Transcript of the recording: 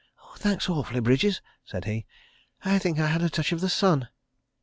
"Thanks awfully, Bridges," said he. "I think I had a touch of the sun.